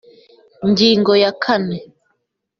ngingo ya kane